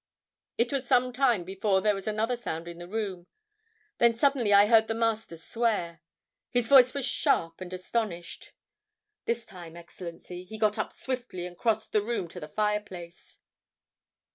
It was some time before there was another sound in the room; then suddenly I heard the Master swear. His voice was sharp and astonished. This time, Excellency, he got up swiftly and crossed the room to the fireplace...